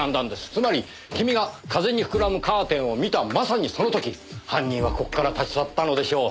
つまり君が風に膨らむカーテンを見たまさにその時犯人はここから立ち去ったのでしょう。